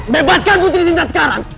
bebaskan putri sinta sekarang